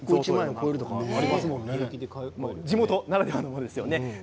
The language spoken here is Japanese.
地元ならではですよね。